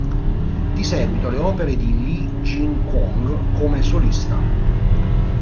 Di seguito le opere di Lee Gi-kwang come solista.